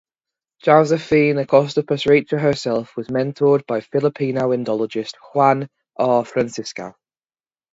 Josephine Acosta Pasricha herself was mentored by Filipino indologist Juan R. Francisco.